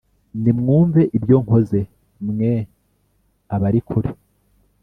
Nimwumve ibyo nkoze, mwe abari kure;